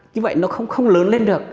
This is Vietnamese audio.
như vậy nó không lớn lên được